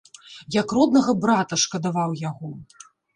Як роднага брата, шкадаваў яго.